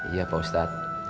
iya pak ustadz